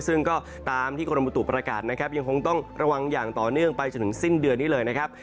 ซึ่งก็ตามที่กรมบุตุประกาศนะครับยังคงต้องระวังอย่างต่อเนื่องไปจนถึงสิ้นเดือนนี้เลยนะครับ